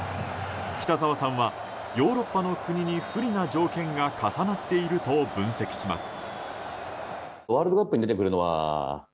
北澤さんは、ヨーロッパの国に不利な条件が重なっていると分析します。